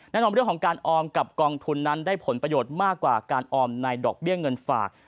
เรื่องของการออมกับกองทุนนั้นได้ผลประโยชน์มากกว่าการออมในดอกเบี้ยเงินฝาก